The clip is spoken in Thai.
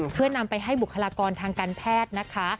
เพื่อนำไปให้บุคลากรทางการแพทย์นะคะ